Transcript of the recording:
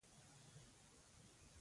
خټکی د چا خفګان نه لري.